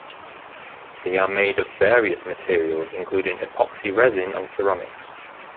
They are made of various materials, including epoxy resin and ceramics.